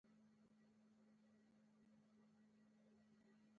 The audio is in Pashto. که ابدالي ډهلي ته را ورسیږي.